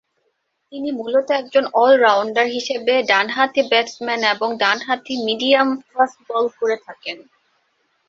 তিনি মূলত একজন অল-রাউন্ডার হিসেবে ডানহাতি ব্যাটসম্যান এবং ডান-হাতি মিডিয়াম ফাস্ট বল করে থাকেন।